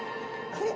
あれ？